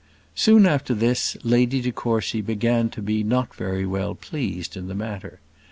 Soon after this, Lady de Courcy began to be not very well pleased in the matter.